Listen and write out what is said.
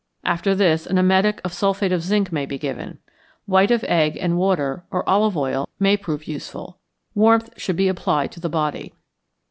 After this an emetic of sulphate of zinc may be given. White of egg and water or olive oil may prove useful. Warmth should be applied to the body.